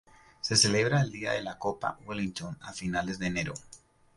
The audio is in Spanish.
Se celebra el día de la Copa Wellington a finales de enero.